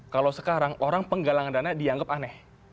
kalau sekarang orang penggalangan dana dianggap aneh